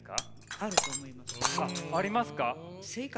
あっありますか？